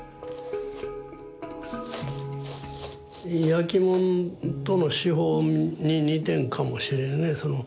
焼きもんとの手法に似てるんかもしれんね。